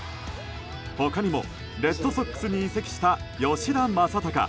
他にもレッドソックスに移籍した吉田正尚。